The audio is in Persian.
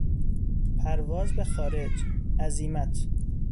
پرواز به خارج، عزیمت